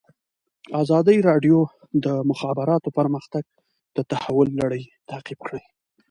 ازادي راډیو د د مخابراتو پرمختګ د تحول لړۍ تعقیب کړې.